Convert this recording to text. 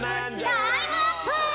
タイムアップ！